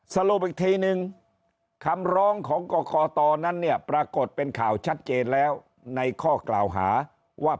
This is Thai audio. สรุปอีกทีนึงคำร้องของกรกตนั้นเนี่ยปรากฏเป็นข่าวชัดเจนแล้วในข้อกล่าวหาว่า